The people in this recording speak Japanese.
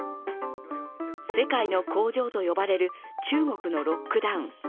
世界の工場と呼ばれる中国のロックダウン。